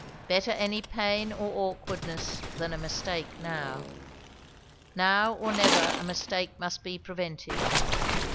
Better any pain or awkwardness than a mistake now. Now or never a mistake must be prevented.